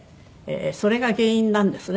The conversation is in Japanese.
それが原因なんですね